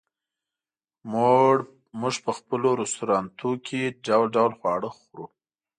موږ په مختلفو رستورانتونو کې ډول ډول خواړه خورو